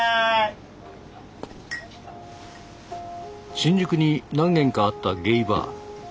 新宿に何軒かあったゲイバー。